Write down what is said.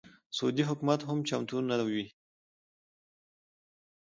سعودي حکومت هم چمتو نه وي.